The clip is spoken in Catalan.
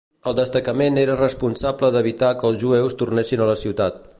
El destacament era responsable d'evitar que els jueus tornessin a la ciutat.